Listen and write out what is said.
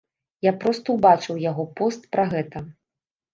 Я проста ўбачыў яго пост пра гэта.